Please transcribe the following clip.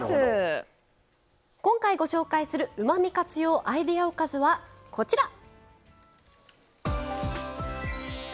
今回ご紹介する「うまみ活用アイデアおかず」はこちら！